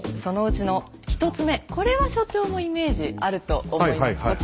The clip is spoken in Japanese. そのうちの１つ目これは所長もイメージあると思います。